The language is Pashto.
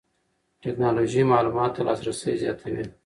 ټکنالوژي معلوماتو ته لاسرسی زیاتوي.